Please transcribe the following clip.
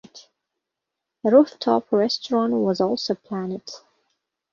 A rooftop restaurant was also planned.